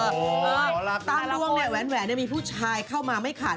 ตามดวงเนี่ยแหวนมีผู้ชายเข้ามาไม่ขาด